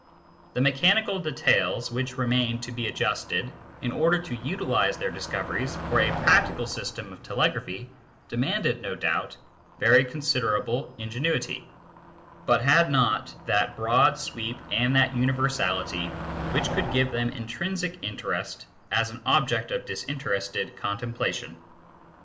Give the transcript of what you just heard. The mechanical details which remained to be adjusted in order to utilise their discoveries for a practical system of telegraphy demanded, no doubt, very considerable ingenuity, but had not that broad sweep and that universality which could give them intrinsic interest as an object of dis interested contemplation.